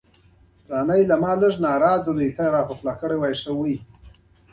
جميله ته مې وویل: د سیند په څنډه کې روان یو.